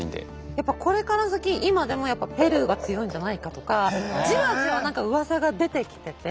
やっぱこれから先今でもやっぱペルーが強いんじゃないかとかじわじわなんかうわさが出てきてて。